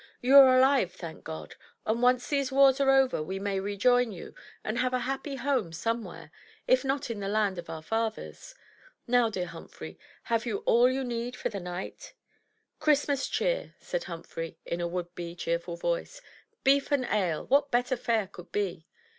"You are alive, thank God; and once these wars are over we may rejoin you, and have a happy home somewhere, if not in the land of our fathers. Now, dear Humphrey, have you all you need for the night?" "Christmas cheer," said Humphrey, in a would be cheerful voice. "Beef and ale, — what better fare could be?